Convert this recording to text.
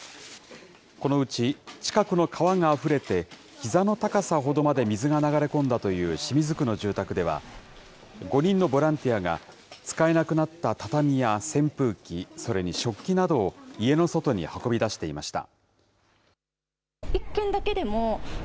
このうち、近くの川があふれて、ひざの高さほどまで水が流れ込んだという清水区の住宅では、５人のボランティアが、使えなくなった畳や扇風機、それに食器などを家の外に運び出していました。